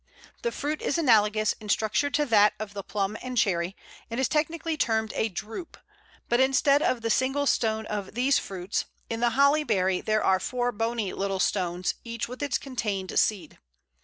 The fruit is analogous in structure to that of the Plum and Cherry, and is technically termed a drupe; but instead of the single stone of these fruits, in the Holly berry there are four bony little stones, each with its contained seed.